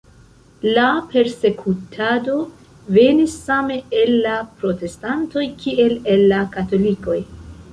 La persekutado venis same el la protestantoj, kiel el la katolikoj.